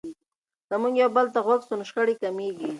که موږ یو بل ته غوږ سو نو شخړې کمیږي.